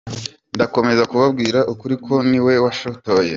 Ndakomeza kubabwira ukuri kuko ni we wanshotoye.